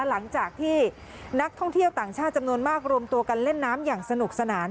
หลังจากที่นักท่องเที่ยวต่างชาติจำนวนมากรวมตัวกันเล่นน้ำอย่างสนุกสนาน